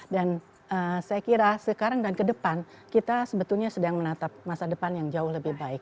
dan saya kira sekarang dan ke depan kita sebetulnya sedang menatap masa depan yang jauh lebih baik